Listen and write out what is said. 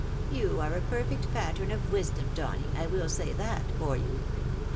" You are a perfect pattern of wisdom, Donny, I will say that for you.